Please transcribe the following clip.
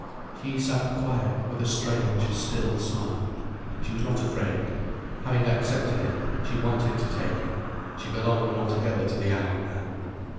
She sat quiet, with a strange, still smile. She was not afraid. Having accepted him, she wanted to take him, she belonged altogether to the hour, now.